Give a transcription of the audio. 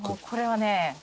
これはね